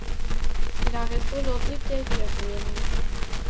Il en reste aujourd'hui quelques ruines.